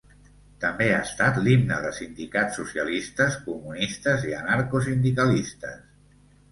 També ha estat l'himne de sindicats socialistes, comunistes i anarcosindicalistes.